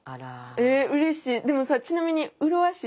えうれしい。